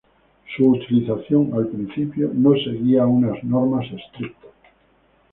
Su utilización, al principio, no seguía unas normas estrictas.